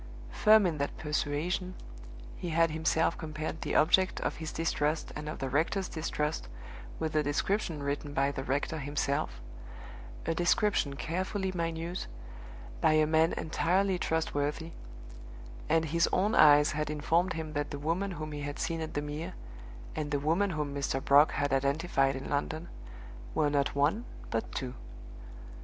Firm in that persuasion, he had himself compared the object of his distrust and of the rector's distrust with the description written by the rector himself a description, carefully minute, by a man entirely trustworthy and his own eyes had informed him that the woman whom he had seen at the Mere, and the woman whom Mr. Brock had identified in London, were not one, but Two.